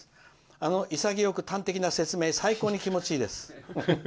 あの潔く端的な説明最高に気持ちいいです」。